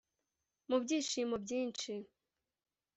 mu byishimo byinshi